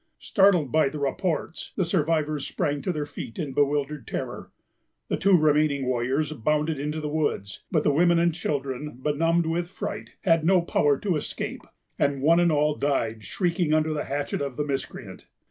Startled by the reports, the survivors sprang to their feet in bewildered terror. The two remaining warriors bounded into the woods; but the women and children, benumbed with fright, had no power to escape, and one and all died shrieking under the hatchet of the miscreant.